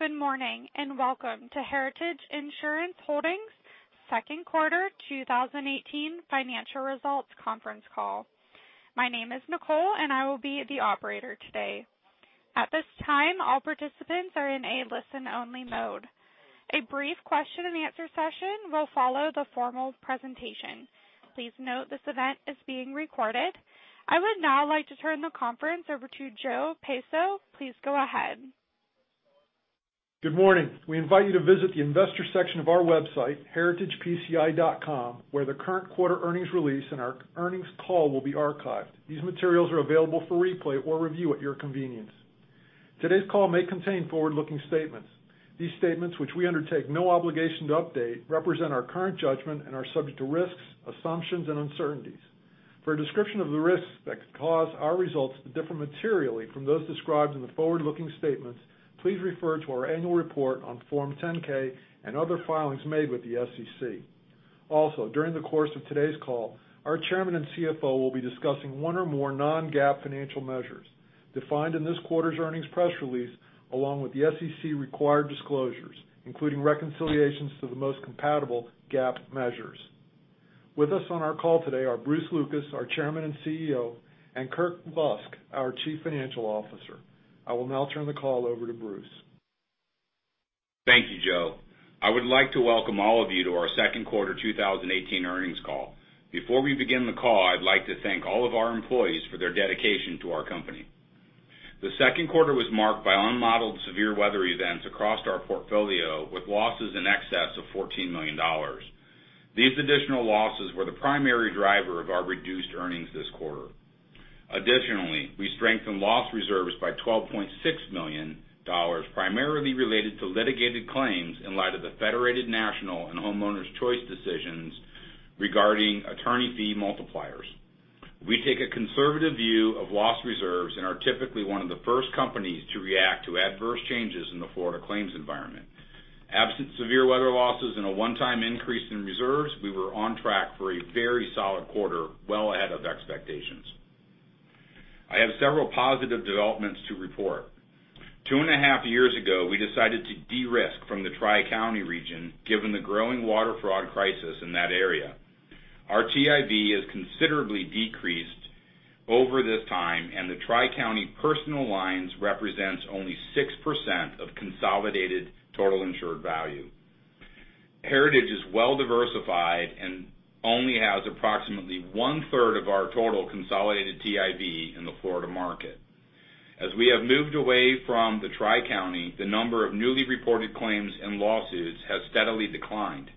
Good morning, and welcome to Heritage Insurance Holdings' second quarter 2018 financial results conference call. My name is Nicole and I will be the operator today. At this time, all participants are in a listen-only mode. A brief question and answer session will follow the formal presentation. Please note this event is being recorded. I would now like to turn the conference over to Joe Peiso. Please go ahead. Good morning. We invite you to visit the investor section of our website, heritagepci.com, where the current quarter earnings release and our earnings call will be archived. These materials are available for replay or review at your convenience. Today's call may contain forward-looking statements. These statements, which we undertake no obligation to update, represent our current judgment and are subject to risks, assumptions, and uncertainties. For a description of the risks that could cause our results to differ materially from those described in the forward-looking statements, please refer to our annual report on Form 10-K and other filings made with the SEC. Also, during the course of today's call, our chairman and CFO will be discussing one or more non-GAAP financial measures defined in this quarter's earnings press release, along with the SEC-required disclosures, including reconciliations to the most compatible GAAP measures. With us on our call today are Bruce Lucas, our Chairman and CEO, and Kirk Lusk, our Chief Financial Officer. I will now turn the call over to Bruce. Thank you, Joe. I would like to welcome all of you to our second quarter 2018 earnings call. Before we begin the call, I'd like to thank all of our employees for their dedication to our company. The second quarter was marked by unmodeled severe weather events across our portfolio, with losses in excess of $14 million. These additional losses were the primary driver of our reduced earnings this quarter. Additionally, we strengthened loss reserves by $12.6 million, primarily related to litigated claims in light of the Federated National and Homeowners Choice decisions regarding attorney fee multipliers. We take a conservative view of loss reserves and are typically one of the first companies to react to adverse changes in the Florida claims environment. Absent severe weather losses and a one-time increase in reserves, we were on track for a very solid quarter, well ahead of expectations. I have several positive developments to report. Two and a half years ago, we decided to de-risk from the Tri-County region, given the growing water fraud crisis in that area. Our TIV is considerably decreased over this time, and the Tri-County personal lines represents only 6% of consolidated Total Insured Value. Heritage is well-diversified and only has approximately one-third of our total consolidated TIV in the Florida market. As we have moved away from the Tri-County, the number of newly reported claims and lawsuits has steadily declined.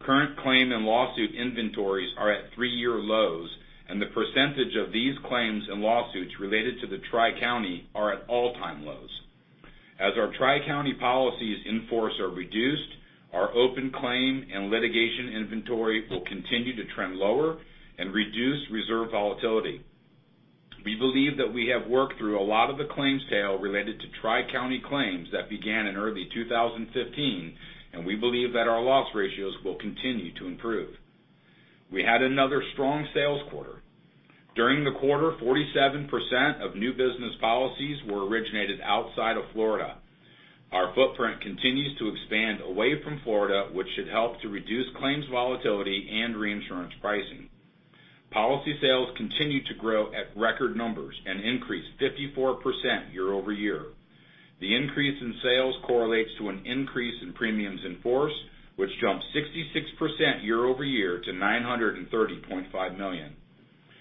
Current claim and lawsuit inventories are at three-year lows, and the percentage of these claims and lawsuits related to the Tri-County are at all-time lows. As our Tri-County policies in force are reduced, our open claim and litigation inventory will continue to trend lower and reduce reserve volatility. We believe that we have worked through a lot of the claims tail related to Tri-County claims that began in early 2015. We believe that our loss ratios will continue to improve. We had another strong sales quarter. During the quarter, 47% of new business policies were originated outside of Florida. Our footprint continues to expand away from Florida, which should help to reduce claims volatility and reinsurance pricing. Policy sales continued to grow at record numbers and increased 54% year-over-year. The increase in sales correlates to an increase in premiums in force, which jumped 66% year-over-year to $930.5 million.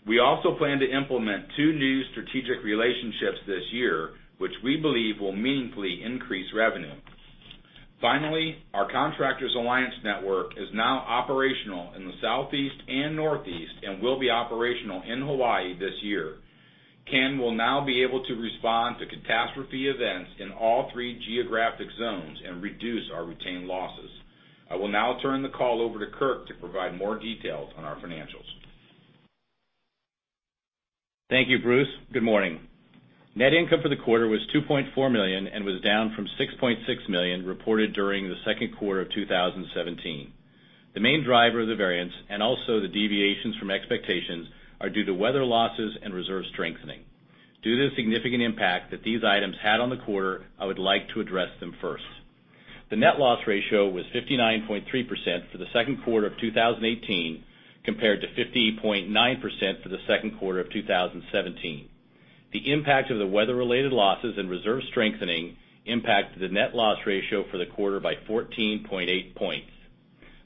We also plan to implement two new strategic relationships this year, which we believe will meaningfully increase revenue. Finally, our Contractors Alliance Network is now operational in the Southeast and Northeast and will be operational in Hawaii this year. CAN will now be able to respond to catastrophe events in all three geographic zones and reduce our retained losses. I will now turn the call over to Kirk to provide more details on our financials. Thank you, Bruce. Good morning. Net income for the quarter was $2.4 million and was down from $6.6 million reported during the second quarter of 2017. The main driver of the variance, the deviations from expectations, are due to weather losses and reserve strengthening. Due to the significant impact that these items had on the quarter, I would like to address them first. The net loss ratio was 59.3% for the second quarter of 2018, compared to 50.9% for the second quarter of 2017. The impact of the weather-related losses and reserve strengthening impacted the net loss ratio for the quarter by 14.8 points.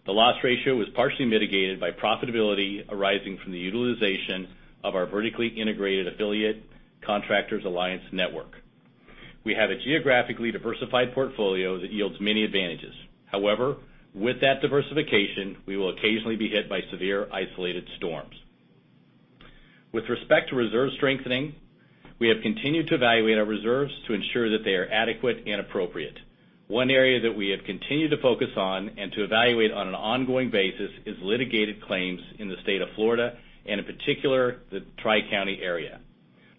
The loss ratio was partially mitigated by profitability arising from the utilization of our vertically integrated affiliate, Contractors Alliance Network. We have a geographically diversified portfolio that yields many advantages. However, with that diversification, we will occasionally be hit by severe isolated storms. With respect to reserve strengthening, we have continued to evaluate our reserves to ensure that they are adequate and appropriate. One area that we have continued to focus on and to evaluate on an ongoing basis is litigated claims in the state of Florida, and in particular, the Tri-County area.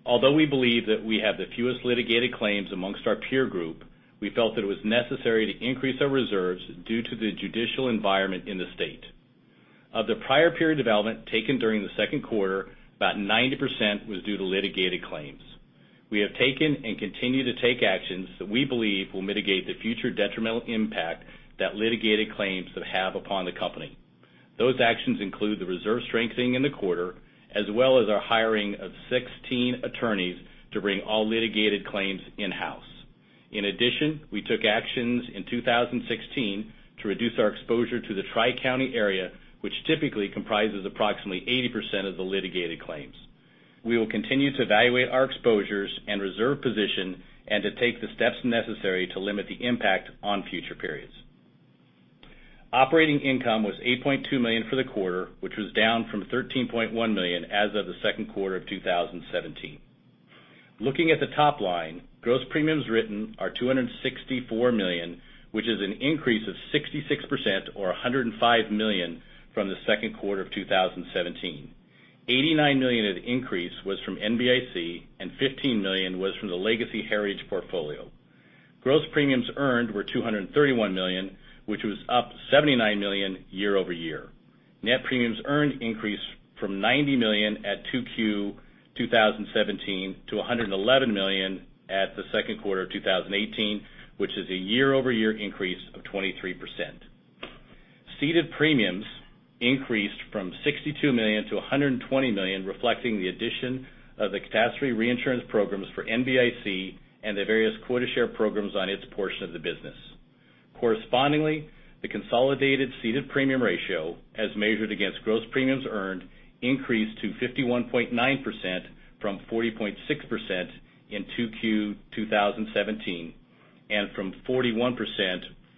Although we believe that we have the fewest litigated claims amongst our peer group, we felt that it was necessary to increase our reserves due to the judicial environment in the state. Of the prior period development taken during the second quarter, about 90% was due to litigated claims. We have taken and continue to take actions that we believe will mitigate the future detrimental impact that litigated claims could have upon the company. Those actions include the reserve strengthening in the quarter, as well as our hiring of 16 attorneys to bring all litigated claims in-house. We took actions in 2016 to reduce our exposure to the Tri-County area, which typically comprises approximately 80% of the litigated claims. We will continue to evaluate our exposures and reserve position, and to take the steps necessary to limit the impact on future periods. Operating income was $8.2 million for the quarter, which was down from $13.1 million as of the second quarter of 2017. Looking at the top line, gross premiums written are $264 million, which is an increase of 66%, or $105 million from the second quarter of 2017. $89 million of the increase was from NBIC, and $15 million was from the legacy Heritage portfolio. Gross premiums earned were $231 million, which was up $79 million year-over-year. Net premiums earned increased from $90 million at 2Q 2017 to $111 million at the second quarter of 2018, which is a year-over-year increase of 23%. Ceded premiums increased from $62 million to $120 million, reflecting the addition of the catastrophe reinsurance programs for NBIC and the various quota share programs on its portion of the business. Correspondingly, the consolidated ceded premium ratio, as measured against gross premiums earned, increased to 51.9% from 40.6% in 2Q 2017, and from 41%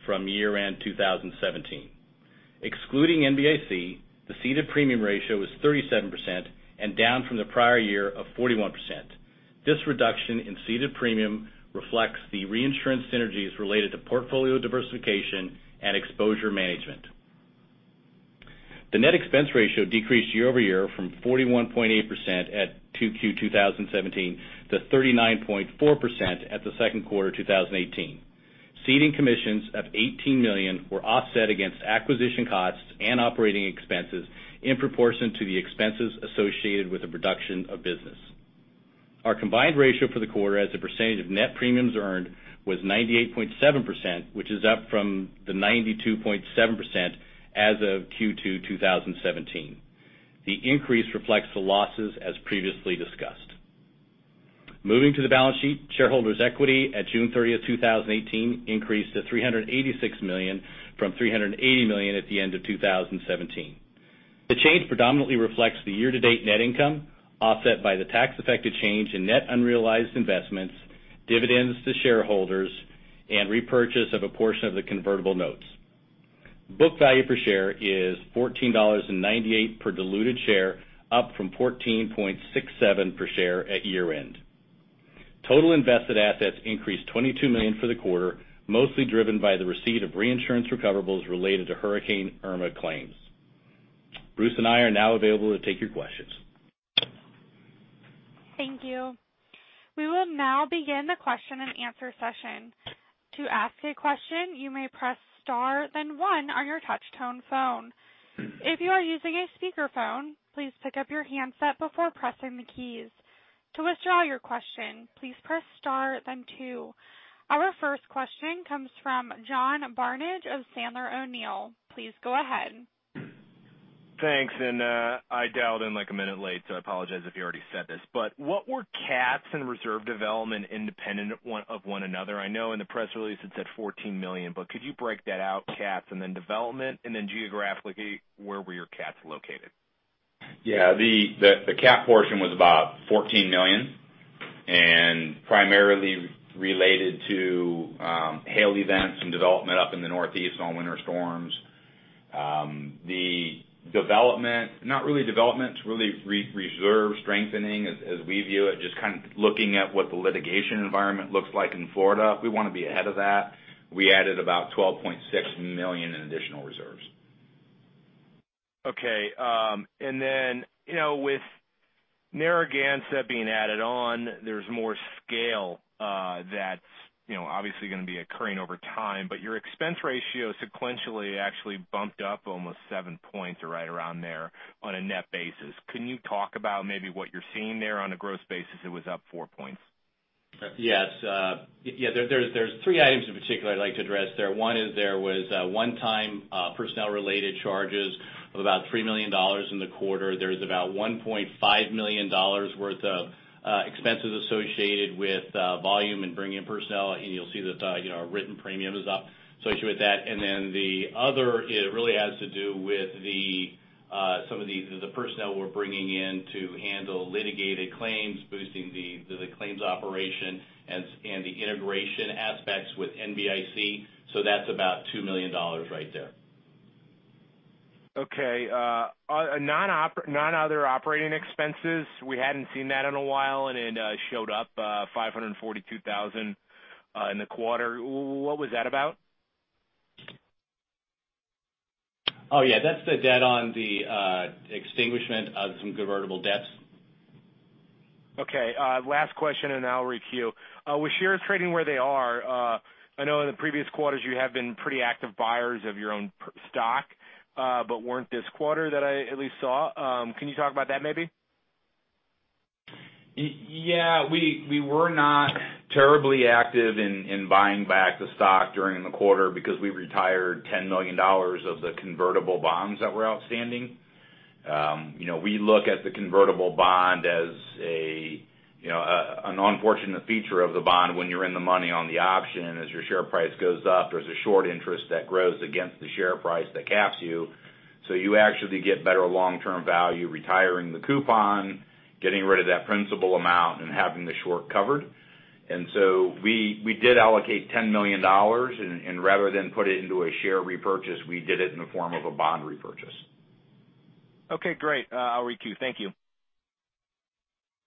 from year-end 2017. Excluding NBIC, the ceded premium ratio was 37%, and down from the prior year of 41%. This reduction in ceded premium reflects the reinsurance synergies related to portfolio diversification and exposure management. The net expense ratio decreased year-over-year from 41.8% at 2Q 2017 to 39.4% at the second quarter 2018. Ceding commissions of $18 million were offset against acquisition costs and operating expenses in proportion to the expenses associated with the reduction of business. Our combined ratio for the quarter as a percentage of net premiums earned was 98.7%, which is up from the 92.7% as of Q2 2017. The increase reflects the losses as previously discussed. Moving to the balance sheet, shareholders' equity at June 30th 2018 increased to $386 million from $380 million at the end of 2017. The change predominantly reflects the year-to-date net income, offset by the tax affected change in net unrealized investments, dividends to shareholders, and repurchase of a portion of the convertible notes. Book value per share is $14.98 per diluted share, up from $14.67 per share at year-end. Total invested assets increased $22 million for the quarter, mostly driven by the receipt of reinsurance recoverables related to Hurricane Irma claims. Bruce and I are now available to take your questions. Thank you. We will now begin the question and answer session. To ask a question, you may press star then one on your touch tone phone. If you are using a speakerphone, please pick up your handset before pressing the keys. To withdraw your question, please press star then two. Our first question comes from John Barnidge of Sandler O'Neill. Please go ahead. Thanks, I dialed in a minute late, I apologize if you already said this. What were CATs and reserve development independent of one another? I know in the press release it said $14 million, could you break that out, CATs and then development? Geographically, where were your CATs located? Yeah. The CAT portion was about $14 million, primarily related to hail events and development up in the Northeast on winter storms. The development, not really development, really reserve strengthening as we view it, just kind of looking at what the litigation environment looks like in Florida. We want to be ahead of that. We added about $12.6 million in additional reserves. Okay. With Narragansett being added on, there's more scale that's obviously going to be occurring over time. Your expense ratio sequentially actually bumped up almost seven points, or right around there, on a net basis. Can you talk about maybe what you're seeing there on a gross basis? It was up four points. Yes. There's three items in particular I'd like to address there. One is there was one-time personnel related charges of about $3 million in the quarter. There's about $1.5 million worth of expenses associated with volume and bringing in personnel. You'll see that our written premium is up associated with that. The other really has to do with some of the personnel we're bringing in to handle litigated claims, boosting the claims operation and the integration aspects with NBIC. That's about $2 million right there. Okay. Non-other operating expenses, we hadn't seen that in a while, and it showed up $542,000 in the quarter. What was that about? Oh, yeah. That's the debt on the extinguishment of some convertible notes. Okay. Last question and then I'll re-queue. With shares trading where they are, I know in the previous quarters you have been pretty active buyers of your own stock, but weren't this quarter that I at least saw. Can you talk about that maybe? Yeah. We were not terribly active in buying back the stock during the quarter because we retired $10 million of the convertible bonds that were outstanding. We look at the convertible bond as an unfortunate feature of the bond when you're in the money on the option. As your share price goes up, there's a short interest that grows against the share price that caps you. You actually get better long-term value retiring the coupon, getting rid of that principal amount, and having the short covered. We did allocate $10 million, and rather than put it into a share repurchase, we did it in the form of a bond repurchase. Okay, great. I'll re-queue. Thank you.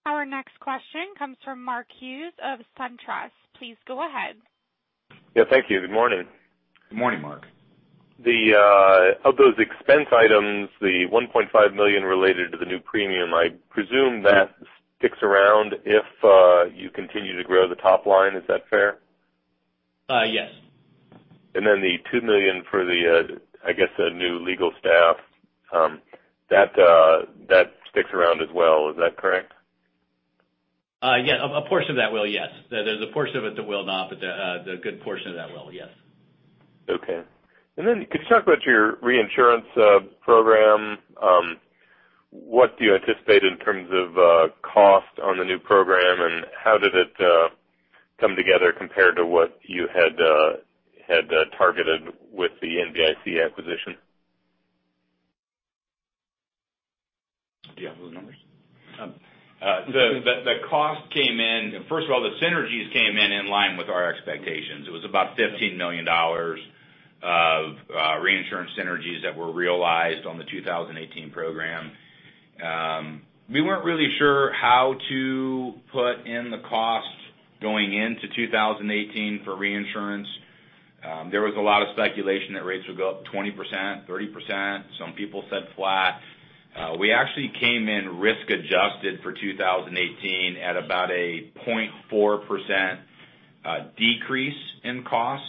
Our next question comes from Mark Hughes of SunTrust. Please go ahead. Yeah, thank you. Good morning. Good morning, Mark. Of those expense items, the $1.5 million related to the new premium, I presume that sticks around if you continue to grow the top line. Is that fair? Yes. Then the $2 million for the, I guess, the new legal staff, that sticks around as well. Is that correct? Yeah. A portion of that will, yes. There is a portion of it that will not, but the good portion of that will, yes. Then could you talk about your reinsurance program? What do you anticipate in terms of cost on the new program, and how did it come together compared to what you had targeted with the NBIC acquisition? Do you have those numbers? First of all, the synergies came in in line with our expectations. It was about $15 million of reinsurance synergies that were realized on the 2018 program. We weren't really sure how to put in the cost going into 2018 for reinsurance. There was a lot of speculation that rates would go up 20%, 30%. Some people said flat. We actually came in risk adjusted for 2018 at about a 0.4% decrease in costs.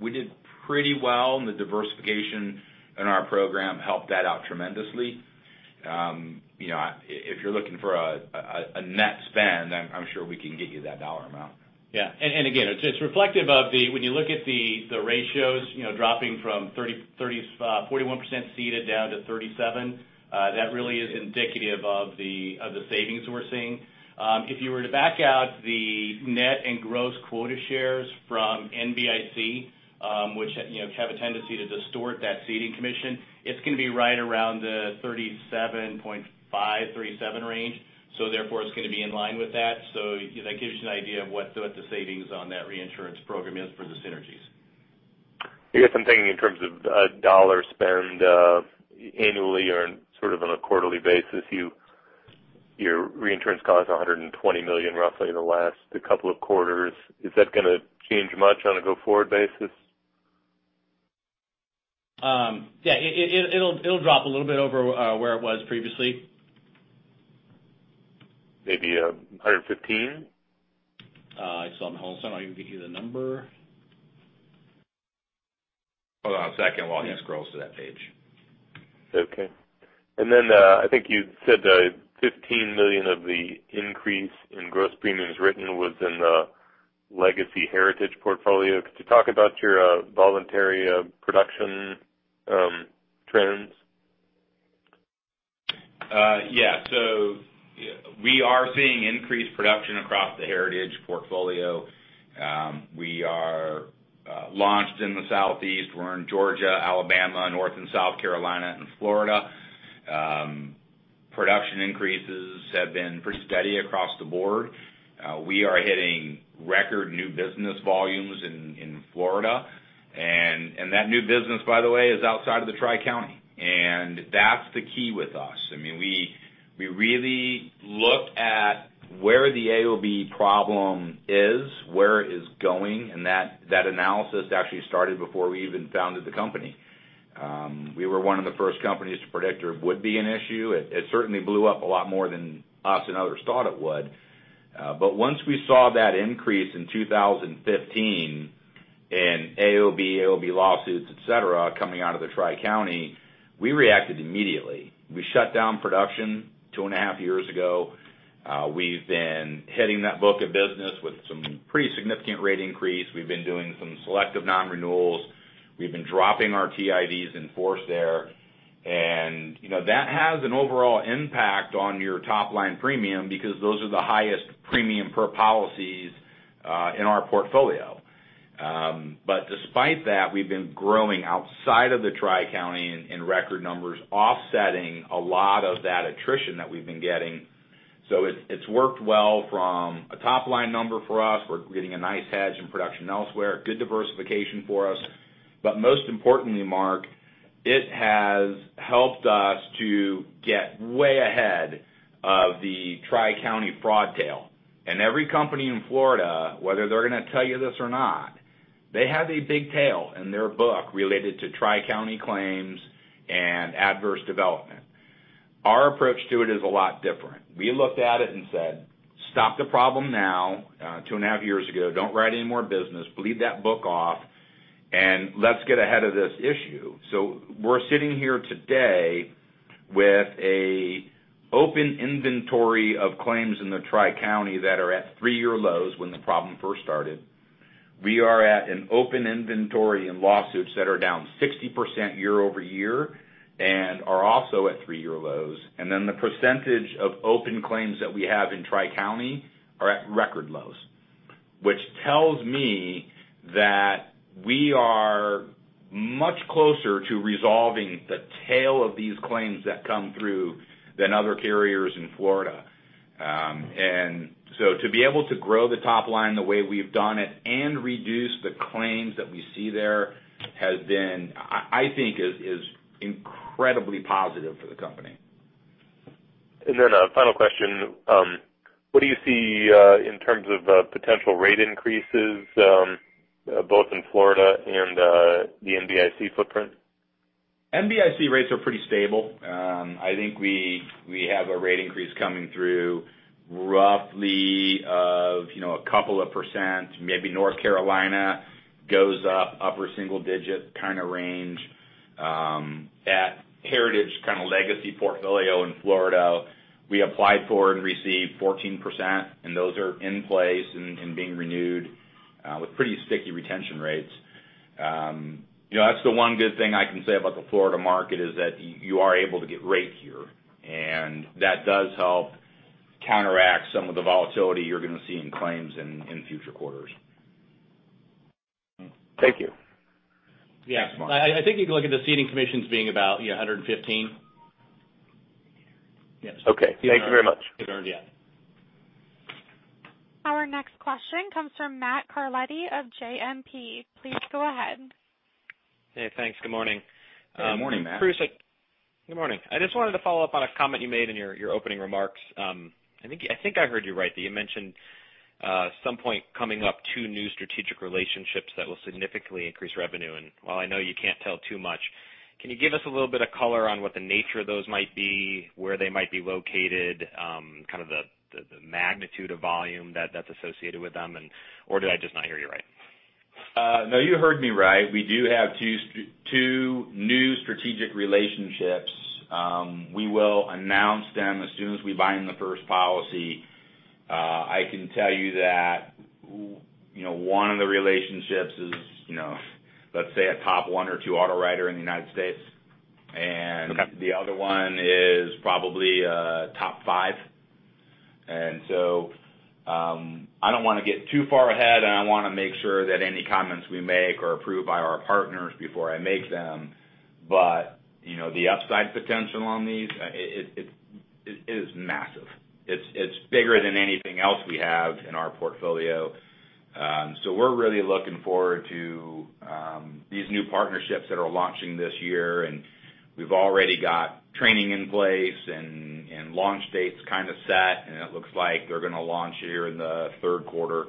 We did pretty well, The diversification in our program helped that out tremendously. If you're looking for a net spend, I'm sure we can get you that dollar amount. Yeah. Again, it's reflective of when you look at the ratios dropping from 41% ceded down to 37%, that really is indicative of the savings we're seeing. If you were to back out the net and gross quota shares from NBIC, which have a tendency to distort that ceding commission, it's going to be right around the 37.5%, 37% range. Therefore, it's going to be in line with that. That gives you an idea of what the savings on that reinsurance program is for the synergies. I guess I'm thinking in terms of dollar spend annually or sort of on a quarterly basis. Your reinsurance cost $120 million roughly in the last couple of quarters. Is that going to change much on a go-forward basis? Yeah. It'll drop a little bit over where it was previously. Maybe $115? I saw in the whole summary. I can get you the number. Hold on one second while he scrolls to that page. Okay. I think you said $15 million of the increase in gross premiums written was in the legacy Heritage portfolio. Could you talk about your voluntary production trends? Yeah. We are seeing increased production across the Heritage portfolio. We are launched in the Southeast. We're in Georgia, Alabama, North and South Carolina, and Florida. Production increases have been pretty steady across the board. We are hitting record new business volumes in Florida, and that new business, by the way, is outside of the Tri-County, and that's the key with us. We really look at where the AOB problem is, where it is going, and that analysis actually started before we even founded the company. We were one of the first companies to predict there would be an issue. It certainly blew up a lot more than us and others thought it would. Once we saw that increase in 2015 in AOB lawsuits, et cetera, coming out of the Tri-County, we reacted immediately. We shut down production two and a half years ago. We've been hitting that book of business with some pretty significant rate increase. We've been doing some selective non-renewals. We've been dropping our TIVs in force there. That has an overall impact on your top-line premium because those are the highest premium per policies in our portfolio. Despite that, we've been growing outside of the Tri-County in record numbers, offsetting a lot of that attrition that we've been getting. It's worked well from a top-line number for us. We're getting a nice hedge in production elsewhere, good diversification for us. Most importantly, Mark, it has helped us to get way ahead of the Tri-County fraud tail. Every company in Florida, whether they're going to tell you this or not. They have a big tail in their book related to Tri-County claims and adverse development. Our approach to it is a lot different. We looked at it and said, "Stop the problem now," 2.5 years ago. "Don't write any more business. Bleed that book off, and let's get ahead of this issue." We're sitting here today with an open inventory of claims in the Tri-County that are at three-year lows when the problem first started. We are at an open inventory in lawsuits that are down 60% year-over-year and are also at three-year lows. The percentage of open claims that we have in Tri-County are at record lows, which tells me that we are much closer to resolving the tail of these claims that come through than other carriers in Florida. To be able to grow the top line the way we've done it and reduce the claims that we see there has been, I think, is incredibly positive for the company. A final question. What do you see in terms of potential rate increases, both in Florida and the NBIC footprint? NBIC rates are pretty stable. I think we have a rate increase coming through roughly of a couple of percent, maybe North Carolina goes up upper single digit kind of range. At Heritage kind of legacy portfolio in Florida, we applied for and received 14%, and those are in place and being renewed, with pretty sticky retention rates. That's the one good thing I can say about the Florida market is that you are able to get rate here, and that does help counteract some of the volatility you're going to see in claims in future quarters. Thank you. Yeah. Thanks, Mark. I think you can look at the ceding commissions being about 115. Yes. Okay. Thank you very much. Yeah. Our next question comes from Matt Carletti of JMP. Please go ahead. Hey, thanks. Good morning. Good morning, Matt. Good morning. I just wanted to follow up on a comment you made in your opening remarks. I think I heard you right, that you mentioned, at some point coming up, two new strategic relationships that will significantly increase revenue. While I know you can't tell too much, can you give us a little bit of color on what the nature of those might be, where they might be located, kind of the magnitude of volume that's associated with them, or did I just not hear you right? No, you heard me right. We do have two new strategic relationships. We will announce them as soon as we bind the first policy. I can tell you that one of the relationships is, let's say a top one or two auto writer in the U.S. Okay the other one is probably top five. I don't want to get too far ahead, and I want to make sure that any comments we make are approved by our partners before I make them. The upside potential on these, it is massive. It's bigger than anything else we have in our portfolio. We're really looking forward to these new partnerships that are launching this year, and we've already got training in place and launch dates kind of set, and it looks like they're going to launch here in the third quarter.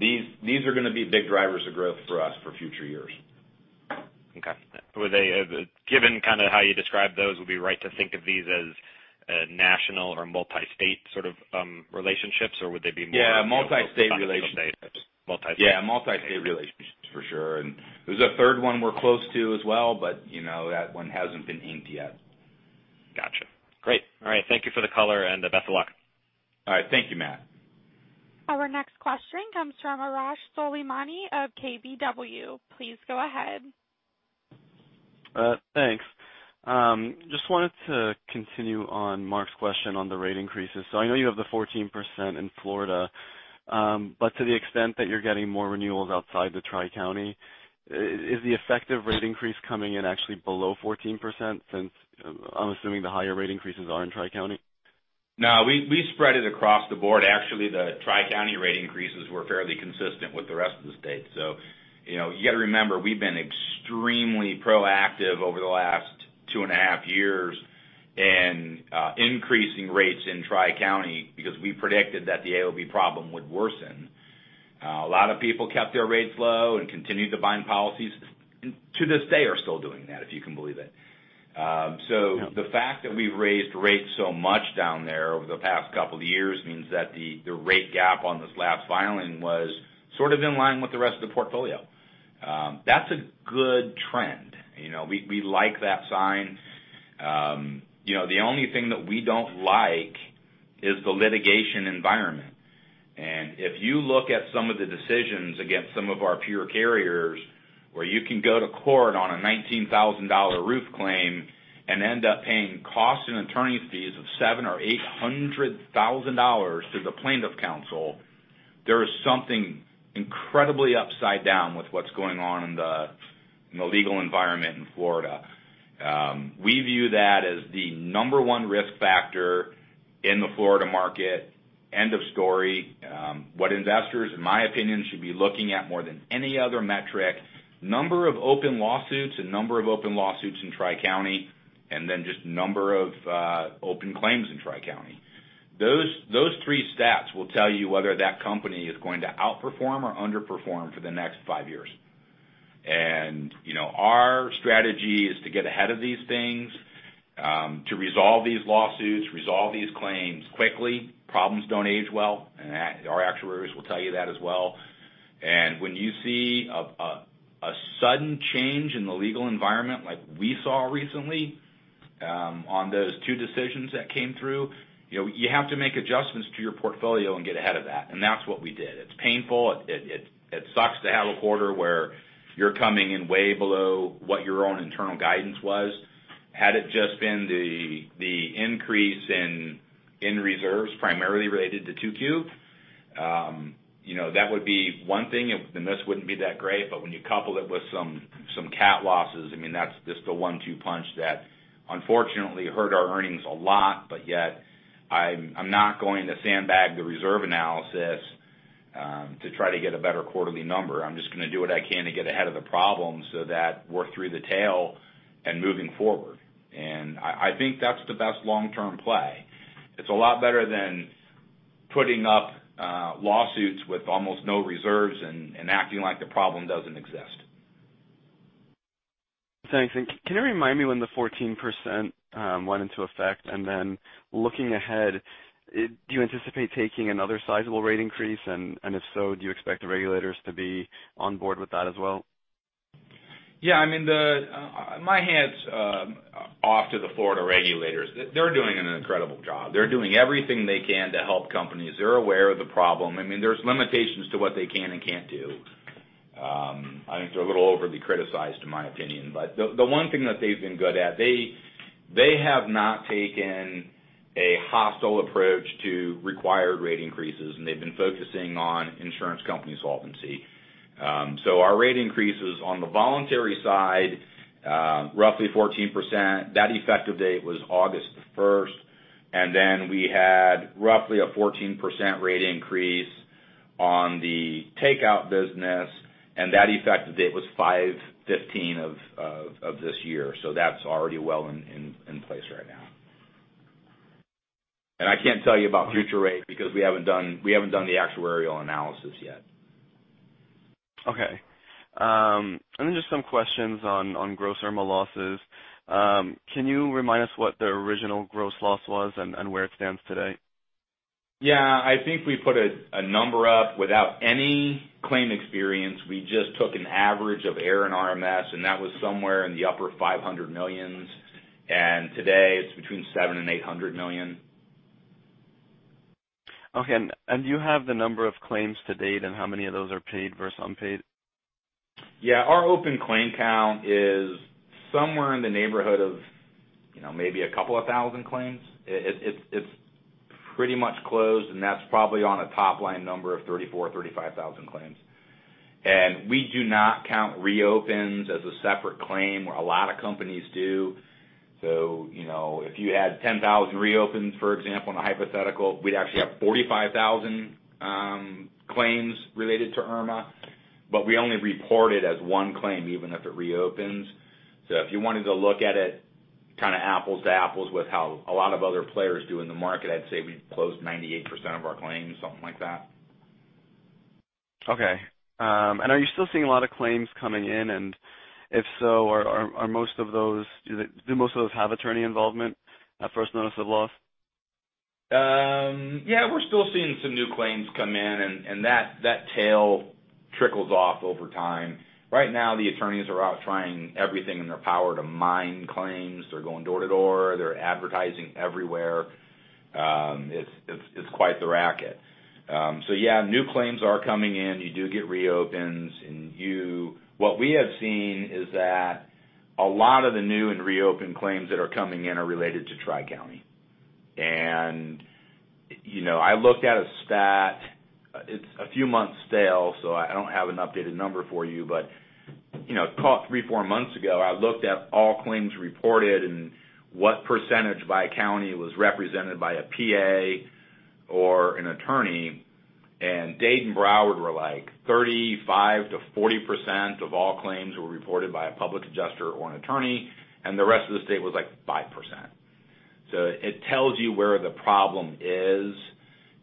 These are going to be big drivers of growth for us for future years. Okay. Given how you described those, would it be right to think of these as national or multi-state sort of relationships, or would they be more- Yeah, multi-state relationships multi-state? Yeah, multi-state relationships for sure. There's a third one we're close to as well, but that one hasn't been inked yet. Got you. Great. All right. Thank you for the color and best of luck. All right. Thank you, Matt. Our next question comes from Arash Soleimani of KBW. Please go ahead. Thanks. Just wanted to continue on Mark's question on the rate increases. I know you have the 14% in Florida. To the extent that you're getting more renewals outside the Tri-County, is the effective rate increase coming in actually below 14% since I'm assuming the higher rate increases are in Tri-County? No, we spread it across the board. Actually, the Tri-County rate increases were fairly consistent with the rest of the state. You got to remember, we've been extremely proactive over the last two and a half years in increasing rates in Tri-County because we predicted that the AOB problem would worsen. A lot of people kept their rates low and continued to bind policies, and to this day are still doing that, if you can believe it. Yeah. The fact that we've raised rates so much down there over the past couple of years means that the rate gap on this last filing was sort of in line with the rest of the portfolio. That's a good trend. We like that sign. The only thing that we don't like is the litigation environment. If you look at some of the decisions against some of our peer carriers, where you can go to court on a $19,000 roof claim and end up paying costs and attorney's fees of $700,000 or $800,000 to the plaintiff's counsel, there is something incredibly upside down with what's going on in the legal environment in Florida. We view that as the number 1 risk factor in the Florida market, end of story. What investors, in my opinion, should be looking at more than any other metric, number of open lawsuits and number of open lawsuits in Tri-County, and then just number of open claims in Tri-County. Those three stats will tell you whether that company is going to outperform or underperform for the next five years. Our strategy is to get ahead of these things, to resolve these lawsuits, resolve these claims quickly. Problems don't age well, and our actuaries will tell you that as well. When you see a sudden change in the legal environment, like we saw recently on those two decisions that came through, you have to make adjustments to your portfolio and get ahead of that. That's what we did. It's painful. It sucks to have a quarter where you're coming in way below what your own internal guidance was. Had it just been the increase in reserves primarily related to 2Q, that would be one thing, and this wouldn't be that great, but when you couple it with some CAT losses, I mean, that's just a one-two punch that unfortunately hurt our earnings a lot, but yet I'm not going to sandbag the reserve analysis to try to get a better quarterly number. I'm just going to do what I can to get ahead of the problem so that we're through the tail and moving forward. I think that's the best long-term play. It's a lot better than putting up lawsuits with almost no reserves and acting like the problem doesn't exist. Thanks. Can you remind me when the 14% went into effect? Looking ahead, do you anticipate taking another sizable rate increase? If so, do you expect the regulators to be on board with that as well? Yeah, my hat's off to the Florida regulators. They're doing an incredible job. They're doing everything they can to help companies. They're aware of the problem. I mean, there's limitations to what they can and can't do. I think they're a little overly criticized, in my opinion. The one thing that they've been good at, they have not taken a hostile approach to required rate increases, and they've been focusing on insurance company solvency. Our rate increases on the voluntary side, roughly 14%. That effective date was August the 1st. We had roughly a 14% rate increase on the takeout business, and that effective date was 5/15 of this year. That's already well in place right now. I can't tell you about future rates because we haven't done the actuarial analysis yet. Okay. Just some questions on gross Irma losses. Can you remind us what the original gross loss was and where it stands today? Yeah. I think we put a number up without any claim experience. We just took an average of AIR and RMS, that was somewhere in the upper $500 million. Today, it's between $700 million and $800 million. Okay. Do you have the number of claims to date and how many of those are paid versus unpaid? Yeah. Our open claim count is somewhere in the neighborhood of maybe a couple of thousand claims. It's pretty much closed, and that's probably on a top-line number of 34,000 or 35,000 claims. We do not count reopens as a separate claim, where a lot of companies do. If you had 10,000 reopens, for example, in a hypothetical, we'd actually have 45,000 claims related to Hurricane Irma, but we only report it as one claim, even if it reopens. If you wanted to look at it kind of apples to apples with how a lot of other players do in the market, I'd say we've closed 98% of our claims, something like that. Okay. Are you still seeing a lot of claims coming in? If so, do most of those have attorney involvement at first notice of loss? Yeah. We're still seeing some new claims come in, that tail trickles off over time. Right now, the attorneys are out trying everything in their power to mine claims. They're going door to door. They're advertising everywhere. It's quite the racket. Yeah, new claims are coming in. You do get reopens. What we have seen is that a lot of the new and reopened claims that are coming in are related to Tri-County. I looked at a stat. It's a few months stale, so I don't have an updated number for you, but three, four months ago, I looked at all claims reported and what percentage by county was represented by a PA or an attorney. Dade and Broward were like 35%-40% of all claims were reported by a public adjuster or an attorney, and the rest of the state was like 5%. It tells you where the problem is.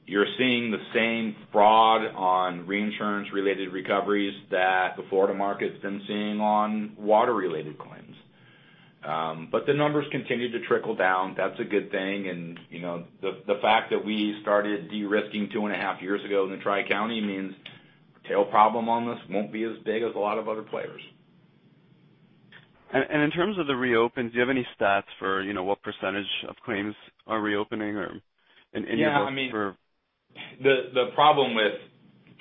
You're seeing the same fraud on reinsurance-related recoveries that the Florida market's been seeing on water-related claims. The numbers continue to trickle down. That's a good thing. The fact that we started de-risking two and a half years ago in the Tri-County means tail problem on this won't be as big as a lot of other players. In terms of the reopens, do you have any stats for what % of claims are reopening or any? Yeah. The problem with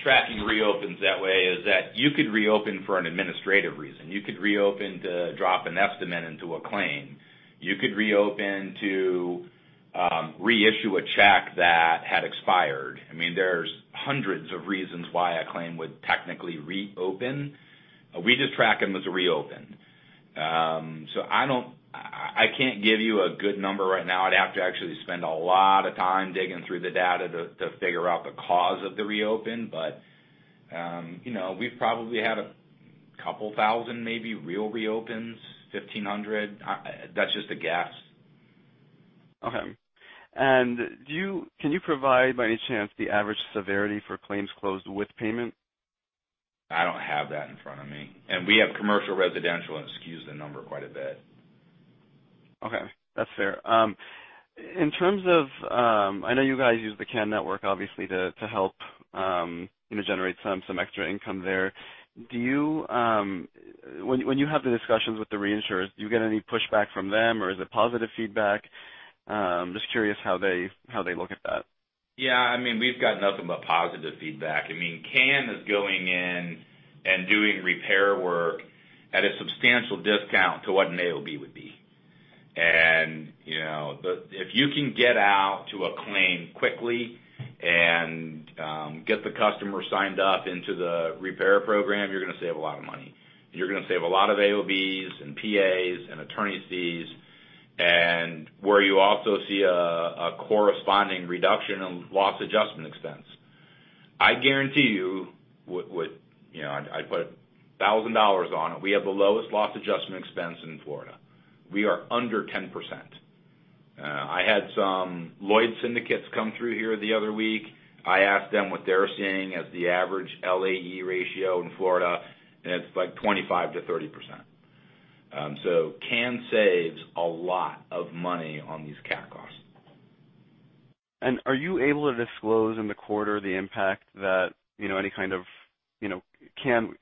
tracking reopens that way is that you could reopen for an administrative reason. You could reopen to drop an estimate into a claim. You could reopen to reissue a check that had expired. There's hundreds of reasons why a claim would technically reopen. We just track them as a reopen. I can't give you a good number right now. I'd have to actually spend a lot of time digging through the data to figure out the cause of the reopen. We've probably had a couple thousand, maybe. Real reopens, 1,500. That's just a guess. Okay. Can you provide, by any chance, the average severity for claims closed with payment? I don't have that in front of me. We have commercial, residential, and it skews the number quite a bit. Okay. That's fair. I know you guys use the CAN network, obviously, to help generate some extra income there. When you have the discussions with the reinsurers, do you get any pushback from them, or is it positive feedback? I'm just curious how they look at that. Yeah, we've got nothing but positive feedback. CAN is going in and doing repair work at a substantial discount to what an AOB would be. If you can get out to a claim quickly and get the customer signed up into the repair program, you're going to save a lot of money, and you're going to save a lot of AOBs and PAs and attorney's fees, and where you also see a corresponding reduction in loss adjustment expense. I guarantee you, I'd put $1,000 on it, we have the lowest loss adjustment expense in Florida. We are under 10%. I had some Lloyd's syndicates come through here the other week. I asked them what they're seeing as the average LAE ratio in Florida, and it's like 25%-30%. CAN saves a lot of money on these CAT costs. Are you able to disclose in the quarter the impact that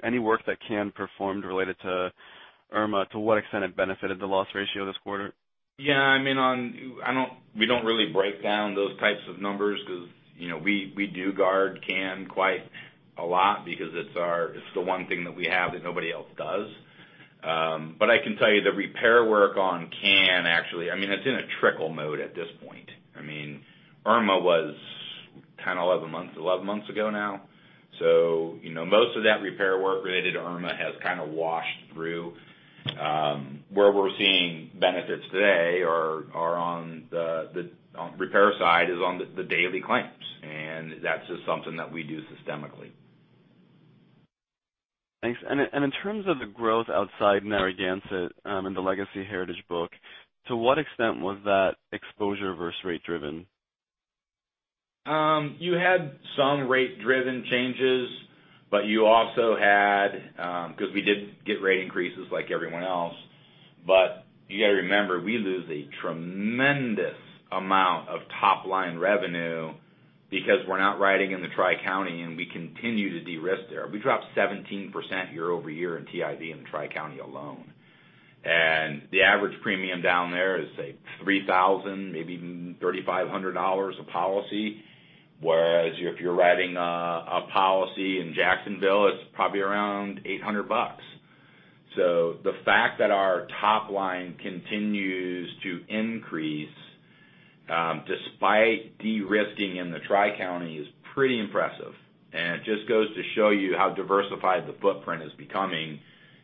any work that CAN performed related to Irma, to what extent it benefited the loss ratio this quarter? We don't really break down those types of numbers because we do guard CAN quite a lot because it's the one thing that we have that nobody else does. I can tell you the repair work on CAN, actually, it's in a trickle mode at this point. Hurricane Irma was 10, 11 months ago now. Most of that repair work related to Hurricane Irma has washed through. Where we're seeing benefits today on the repair side is on the daily claims, and that's just something that we do systemically. Thanks. In terms of the growth outside Narragansett, in the Legacy Heritage book, to what extent was that exposure versus rate driven? You had some rate-driven changes because we did get rate increases like everyone else. You've got to remember, we lose a tremendous amount of top-line revenue because we're not riding in the Tri-County, and we continue to de-risk there. We dropped 17% year-over-year in TIV in the Tri-County alone. The average premium down there is, say, $3,000, maybe even $3,500 a policy. Whereas if you're writing a policy in Jacksonville, it's probably around 800 bucks. The fact that our top line continues to increase, despite de-risking in the Tri-County, is pretty impressive. It just goes to show you how diversified the footprint is becoming,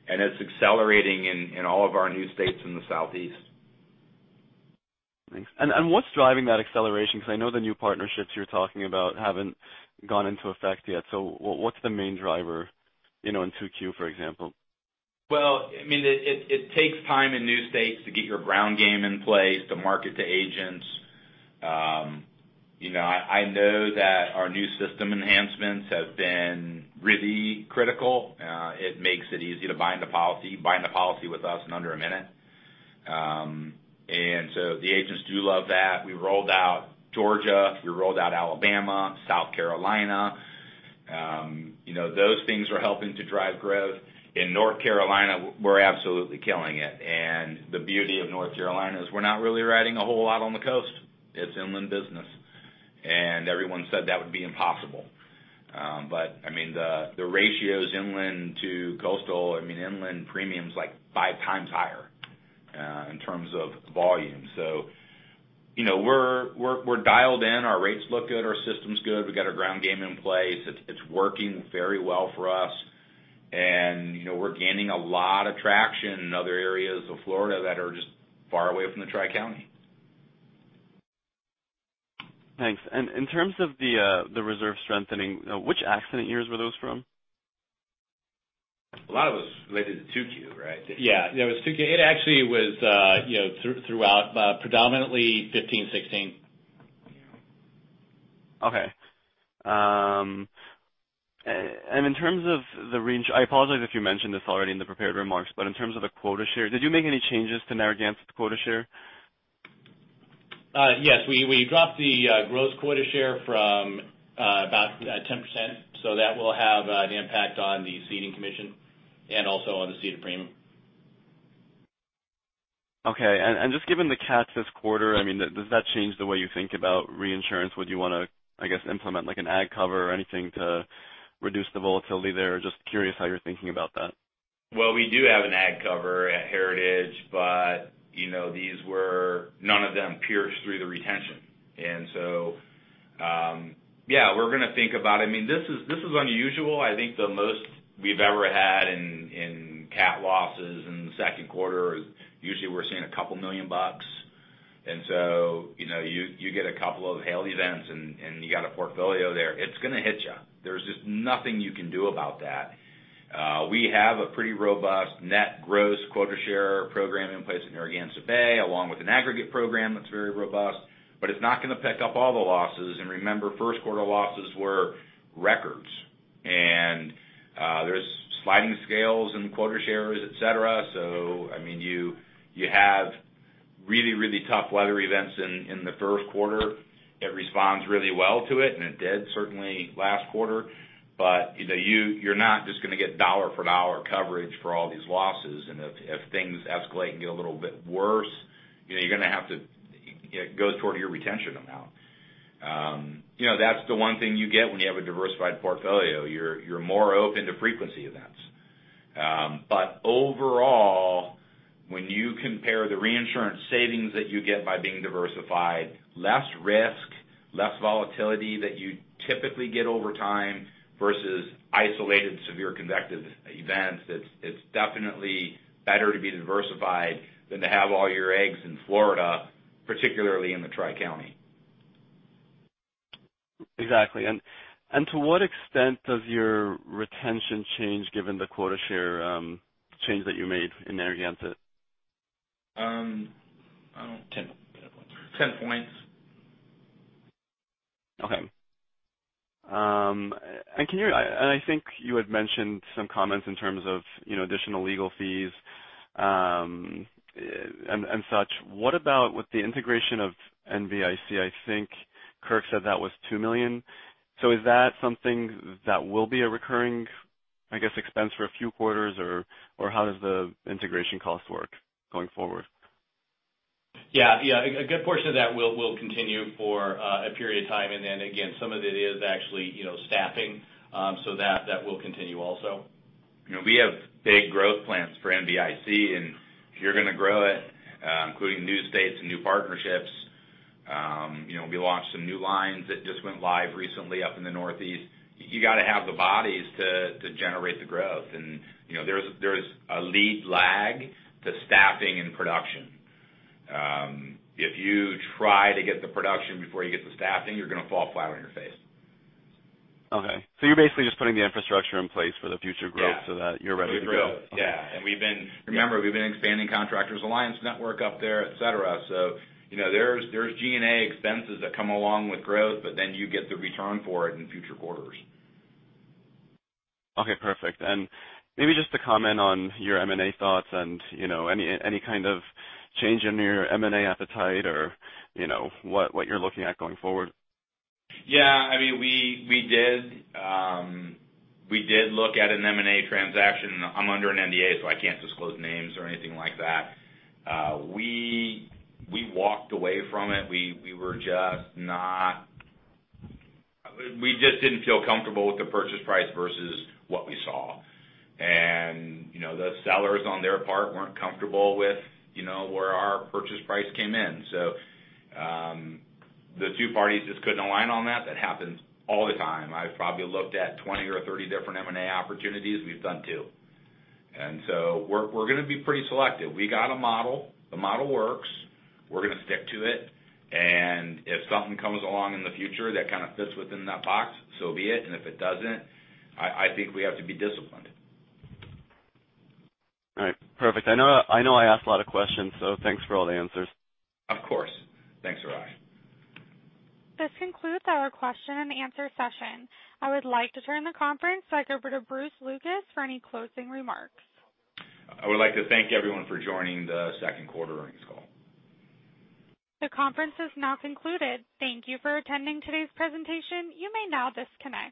and it's accelerating in all of our new states in the Southeast. Thanks. What's driving that acceleration? I know the new partnerships you're talking about haven't gone into effect yet. What's the main driver in 2Q, for example? It takes time in new states to get your ground game in place to market to agents. I know that our new system enhancements have been really critical. It makes it easy to bind the policy with us in under a minute. The agents do love that. We rolled out Georgia, we rolled out Alabama, South Carolina. Those things are helping to drive growth. In North Carolina, we're absolutely killing it. The beauty of North Carolina is we're not really riding a whole lot on the coast. It's inland business. Everyone said that would be impossible. The ratios inland to coastal, inland premiums, like, five times higher in terms of volume. We're dialed in. Our rates look good. Our system's good. We've got our ground game in place. It's working very well for us. We're gaining a lot of traction in other areas of Florida that are just far away from the Tri-County. Thanks. In terms of the reserve strengthening, which accident years were those from? A lot of it was related to 2Q, right? Yeah. It was 2Q. It actually was throughout, predominantly 2015, 2016. Okay. I apologize if you mentioned this already in the prepared remarks, but in terms of the quota share, did you make any changes to Narragansett quota share? Yes. We dropped the gross quota share from about 10%, that will have an impact on the ceding commission and also on the ceded premium. Okay. Just given the CATs this quarter, does that change the way you think about reinsurance? Would you want to, I guess, implement an agg cover or anything to reduce the volatility there? Just curious how you're thinking about that. We do have an agg cover at Heritage, but none of them pierced through the retention. We're going to think about it. This is unusual. I think the most we've ever had in CAT losses in the second quarter is usually we're seeing $2 million dollars. You get a couple of hail events and you got a portfolio there, it's going to hit you. There's just nothing you can do about that. We have a pretty robust net gross quota share program in place in Narragansett Bay, along with an aggregate program that's very robust. It's not going to pick up all the losses. Remember, first quarter losses were records. There's sliding scales in quota shares, et cetera. You have really tough weather events in the first quarter. It responds really well to it, and it did certainly last quarter. You're not just going to get dollar for dollar coverage for all these losses. If things escalate and get a little bit worse, you're going to have to go toward your retention amount. That's the one thing you get when you have a diversified portfolio. You're more open to frequency events. Overall, when you compare the reinsurance savings that you get by being diversified, less risk, less volatility that you typically get over time versus isolated severe convective events, it's definitely better to be diversified than to have all your eggs in Florida, particularly in the Tri-County. Exactly. To what extent does your retention change given the quota share change that you made in Narragansett? 10 points. Okay. I think you had mentioned some comments in terms of additional legal fees and such. What about with the integration of NBIC? I think Kirk said that was $2 million. Is that something that will be a recurring, I guess, expense for a few quarters? Or how does the integration cost work going forward? Yeah. A good portion of that will continue for a period of time, and then again, some of it is actually staffing. That will continue also. We have big growth plans for NBIC, and if you're going to grow it, including new states and new partnerships. We launched some new lines that just went live recently up in the Northeast. You got to have the bodies to generate the growth. There's a lead lag to staffing and production. If you try to get the production before you get the staffing, you're going to fall flat on your face. Okay, you're basically just putting the infrastructure in place for the future growth. Yeah That you're ready to go. Remember, we've been expanding Contractors Alliance Network up there, et cetera. There's G&A expenses that come along with growth, you get the return for it in future quarters. Okay, perfect. Maybe just to comment on your M&A thoughts and any kind of change in your M&A appetite or what you're looking at going forward. Yeah, we did look at an M&A transaction. I'm under an NDA, I can't disclose names or anything like that. We walked away from it. We just didn't feel comfortable with the purchase price versus what we saw. The sellers, on their part, weren't comfortable with where our purchase price came in. The two parties just couldn't align on that. That happens all the time. I've probably looked at 20 or 30 different M&A opportunities. We've done two. We're going to be pretty selective. We got a model. The model works. We're going to stick to it. If something comes along in the future that kind of fits within that box, so be it. If it doesn't, I think we have to be disciplined. All right, perfect. I know I ask a lot of questions, thanks for all the answers. Of course. Thanks, Arash. This concludes our question and answer session. I would like to turn the conference back over to Bruce Lucas for any closing remarks. I would like to thank everyone for joining the second quarter earnings call. The conference is now concluded. Thank you for attending today's presentation. You may now disconnect.